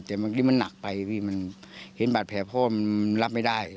แต่บางทีมันหนักไปพี่มันเห็นบาดแผลพ่อมันรับไม่ได้